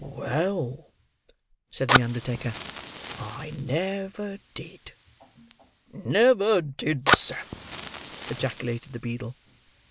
"Well," said the undertaker, "I ne—ver—did—" "Never did, sir!" ejaculated the beadle.